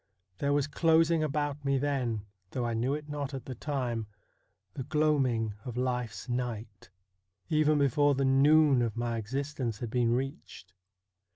There was closing about me then, though I knew it not at the time, the gloaming of life's night, even before the noon of my existence had been reached.